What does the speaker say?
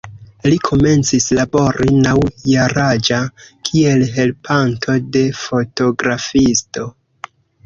Li komencis labori naŭ-jaraĝa kiel helpanto de fotografisto.